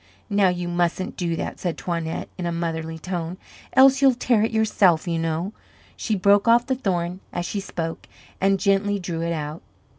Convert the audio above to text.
"Now, you mustn't do that," said Toinette, in a motherly tone, "else you'll tear it yourself, you know." She broke off the thorn as she spoke, and gently drew it out.